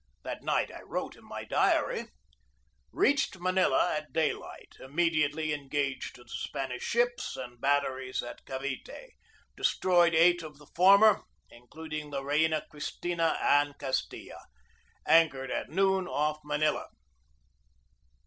That night I wrote in my diary: "Reached Manila at daylight. Immediately engaged the Spanish ships and batteries at Cavite. Destroyed eight of the former, including the Reina Cristina and Castilla. Anchored at noon off Manila."